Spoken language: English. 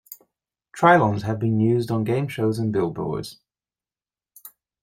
Trilons have been used on game shows and billboards.